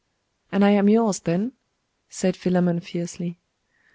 'And I am yours, then?' said Philammon fiercely.